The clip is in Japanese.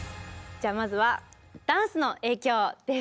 じゃあまずは「ダンスの影響」です。